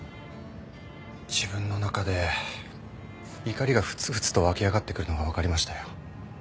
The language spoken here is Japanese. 自分の中で怒りが沸々と湧き上がってくるのがわかりましたよ。